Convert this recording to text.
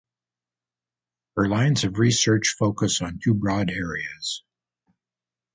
Her lines of research focus on two broad areas.